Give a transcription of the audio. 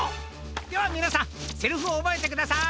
ではみなさんセリフをおぼえてください。